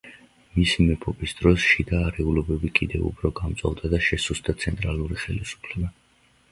მისი მეფობის დროს შიდა არეულობები კიდევ უფრო გამწვავდა და შესუსტდა ცენტრალური ხელისუფლება.